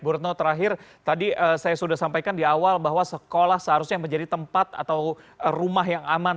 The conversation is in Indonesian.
bu retno terakhir tadi saya sudah sampaikan di awal bahwa sekolah seharusnya menjadi tempat atau rumah yang aman